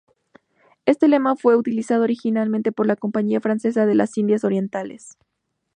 Este lema fue utilizado originalmente por la Compañía Francesa de las Indias Orientales.